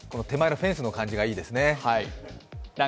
手前のフェンスの感じがいいですね。